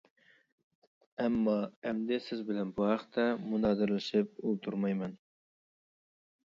ئەمما ئەمدى سىز بىلەن بۇ ھەقتە مۇنازىرىلىشىپ ئولتۇرمايمەن.